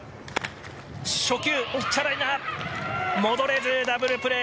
初球、ピッチャーライナー戻れずダブルプレー。